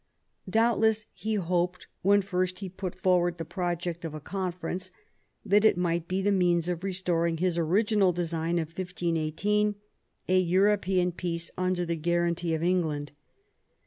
Doubtless he hoped, when first he put forward the project of a conference, that it might be the means of restoring his original design of 1518, a European peace under the guarantee of England.